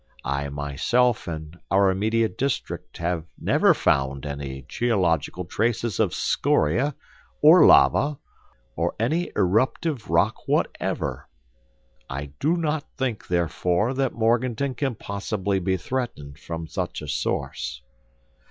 I, myself, in our immediate district, have never found any geological traces of scoria, or lava, or any eruptive rock whatever. I do not think, therefore, that Morganton can possibly be threatened from such a source."